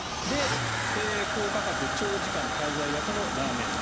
高価格・長時間滞在型のラーメン店。